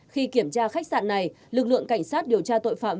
khi kiểm tra khách sạn này lực lượng cảnh sát điều tra tội phạm